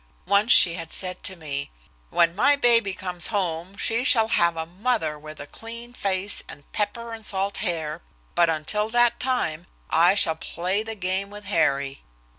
Once she had said to me, "When my baby comes home, she shall have a mother with a clean face and pepper and salt hair, but until that time, I shall play the game with Harry."